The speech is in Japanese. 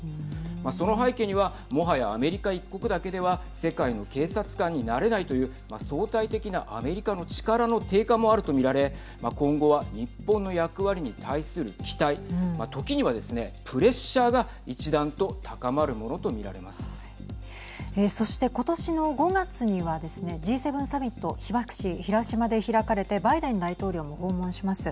その背景にはもはやアメリカ一国だけでは世界の警察官になれないという相対的なアメリカの力の低下もあると見られ今後は日本の役割に対する期待時にはですね、プレッシャーがそして今年の５月にはですねＧ７サミット被爆地、広島で開かれてバイデン大統領も訪問します。